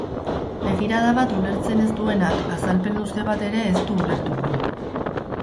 Begirada bat ulertzen ez duenak azalpen luze bat ere ez du ulertuko.